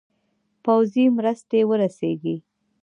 پوځي مرستي ورسیږي.